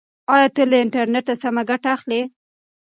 ایا ته له انټرنیټه سمه ګټه اخلې؟